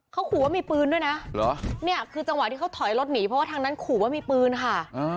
เขาขู่ว่ามีปืนด้วยนะเนี่ยคือจังหวะที่เขาถอยรถหนีเพราะว่าทางนั้นขู่ว่ามีปืนค่ะ